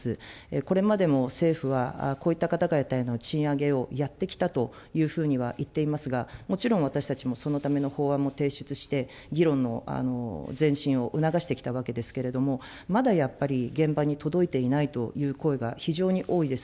これまでも政府はこういった方々への賃上げをやってきたというふうにはいっていますが、もちろん私たちもそのための法案も提出して、議論の前進を促してきたわけですけれども、まだやっぱり、現場に届いていないという声が非常に多いです。